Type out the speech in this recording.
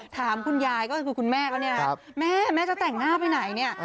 ถามคุณยายก็คือคุณแม่เขาเนี่ยนะครับแม่แม่จะแต่งหน้าไปไหนเนี่ย